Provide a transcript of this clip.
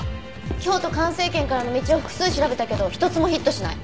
京都環生研からの道を複数調べたけど一つもヒットしない。